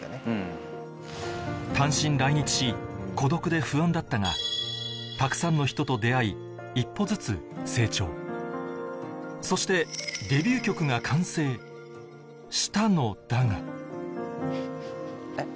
単身来日し孤独で不安だったがたくさんの人と出会い一歩ずつ成長そしてデビュー曲がしたのだがえっ？